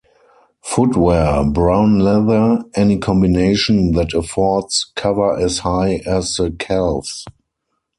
Footwear - Brown leather; any combination that affords cover as high as the calves.